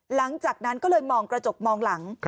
หลังจากนั้นก็เลยมองกระจกมองหลัง